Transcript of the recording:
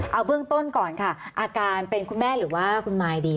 เอาเบื้องต้นก่อนค่ะอาการเป็นคุณแม่หรือว่าคุณมายดี